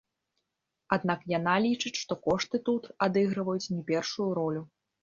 Аднак яна лічыць, што кошты тут адыгрываюць не першую ролю.